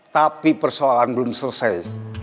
tapi persoalan belum selesai